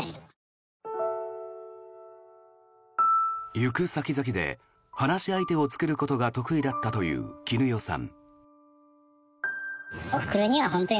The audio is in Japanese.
行く先々で話し相手を作ることが得意だったという衣與さん。